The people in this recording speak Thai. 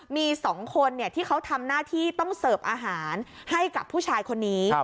มี๒คนที่เขาทำหน้าที่ต้องเสิร์ฟอาหารให้กับผู้ชายคนนี้